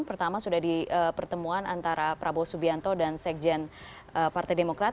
pertama sudah di pertemuan antara prabowo subianto dan sekjen partai demokrat